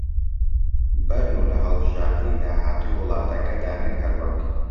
بەرن و لە هەڵبژاردنی داهاتووی وڵاتەکەدا نەک هەر وەک